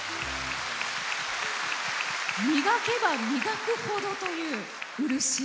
磨けば磨くほどという漆。